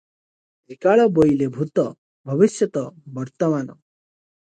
ତ୍ରିକାଳ ବୋଇଲେ ଭୂତ, ଭବିଷ୍ୟତ, ବର୍ତ୍ତମାନ ।